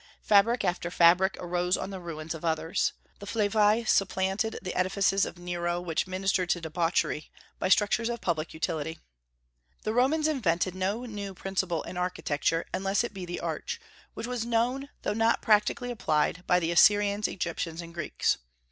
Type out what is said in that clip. Fabric after fabric arose on the ruins of others. The Flavii supplanted the edifices of Nero, which ministered to debauchery, by structures of public utility. The Romans invented no new principle in architecture, unless it be the arch, which was known, though not practically applied, by the Assyrians, Egyptians, and Greeks.